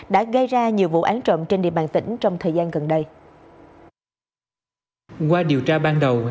đã gây ra nhiều vụ án trộm trên địa bàn tỉnh trong thời gian gần đây qua điều tra ban đầu